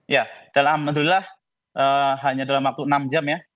ya dan alhamdulillah hanya dalam waktu enam jam ya